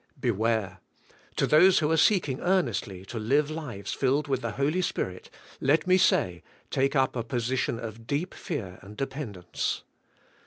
Beware! To those who are seeking earnestly to liye liyes filled with the Holy Spirit, let me say, take up a position of deep fear and dependence.